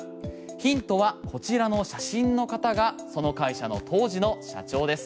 ヒントはこちらの写真の方がその会社の当時の社長です。